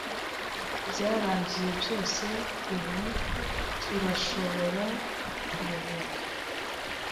Byarangiye byose. Ubu turashobora kuruhuka.